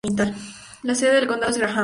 La sede del condado es Graham.